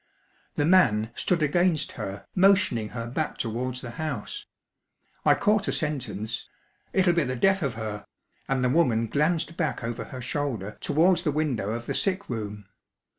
The man stood against her, motioning her back towards the house. I caught a sentence "It'll be the death of her;" and the woman glanced back over her shoulder towards the window of the sick room.